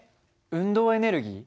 運動エネルギー？